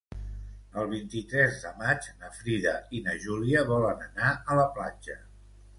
El vint-i-tres de maig na Frida i na Júlia volen anar a la platja.